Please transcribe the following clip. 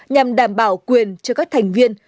nhằm đảm bảo quyền cho các thành viên